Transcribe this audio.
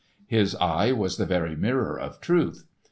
His eye was the very mirror of truth.